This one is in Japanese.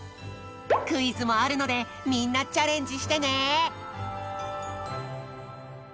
クイズもあるのでみんなチャレンジしてね！